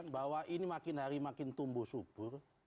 bahwa ini makin hari makin tumbuh subur